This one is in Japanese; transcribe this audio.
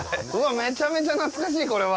めちゃめちゃ懐かしい、これは。